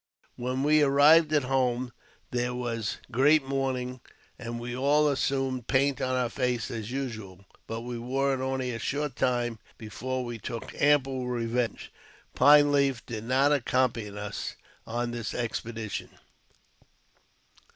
When we arrived at home there was great mourning, and we all assumed paint on our faces as usual. But we wore it only a short time before we took ample revenge. Pine Leaf did not accompany us on this expedition.